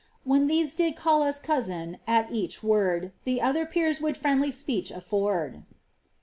When these did call us cousin, at each word The otlior peers would friendly speech a^rd."